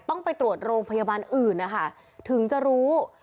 ต้องไปตรวจโรงพยาบาลอื่นนะคะถึงจะรู้